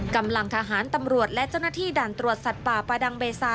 กำลังทหารตำรวจและเจ้าหน้าที่ด่านตรวจสัตว์ป่าประดังเบซา